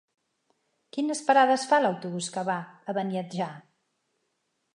Quines parades fa l'autobús que va a Beniatjar?